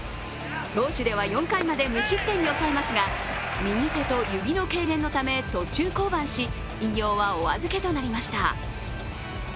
投手では４回まで無失点に抑えますが右手と指のけいれんのため途中降板し、偉業はお預けとなりました。